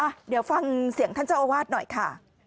เดี๋ยวฟังเสียงท่านเจ้าอาวาสหน่อยค่ะ